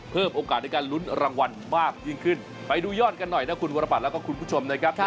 เพิ่มโอกาสในการลุ้นรางวัลมากยิ่งขึ้นไปดูยอดกันหน่อยนะคุณวรบัตรแล้วก็คุณผู้ชมนะครับ